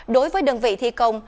đối với đơn vị thi công